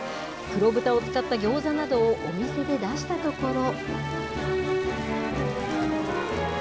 黒豚を使ったギョーザなどをお店で出したところ。